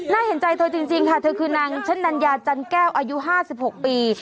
เห็นใจเธอจริงค่ะเธอคือนางชะนัญญาจันแก้วอายุ๕๖ปี